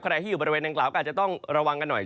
ใครที่อยู่บริเวณนางกล่าวก็อาจจะต้องระวังกันหน่อย